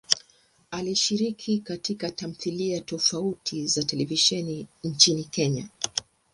Alishiriki katika tamthilia tofauti za televisheni nchini Kenya.